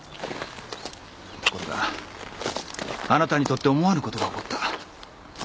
ところがあなたにとって思わぬことが起こった。